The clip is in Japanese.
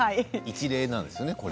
一例なんですね。